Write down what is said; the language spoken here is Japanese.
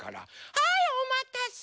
はいおまたせ！